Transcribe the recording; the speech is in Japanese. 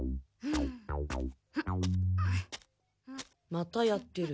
またやってる。